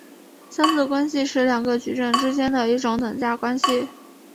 相似关系是两个矩阵之间的一种等价关系。